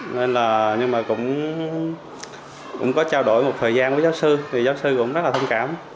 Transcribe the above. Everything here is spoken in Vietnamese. nên là nhưng mà cũng có trao đổi một thời gian với giáo sư thì giáo sư cũng rất là thông cảm